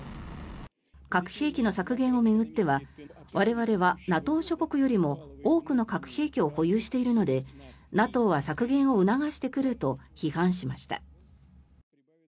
核兵器の削減を巡っては我々はＮＡＴＯ諸国よりも多くの核兵器を保有しているのでＮＡＴＯは削減を促してくると批判しました。